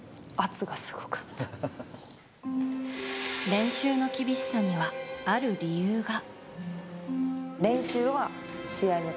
練習の厳しさにはある理由が。